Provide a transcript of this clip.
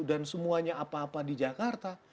dan semuanya apa apa di jakarta